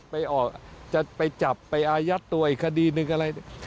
ออกจะไปจับไปอายัดตัวอีกคดีหนึ่งอะไร